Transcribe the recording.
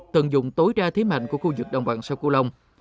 tận dụng tối ra thế mạnh của khu vực đồng bằng sâu cửu long